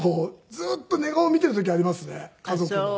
ずっと寝顔を見ている時ありますね家族の。